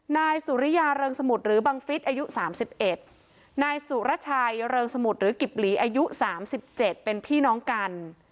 นายสุริยาเริงสมุดหรือบังฟิศอายุสามสิบเอ็ดนายสุรชายเริงสมุดหรือกิบหลีอายุสามสิบเจ็ดเป็นพี่น้องกัน